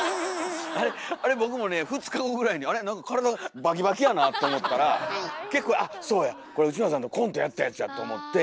あれ僕もね２日後ぐらいに「あれ？何か体がバキバキやな」って思ったら結構「あっそうやこれ内村さんとコントやったやつや」と思って。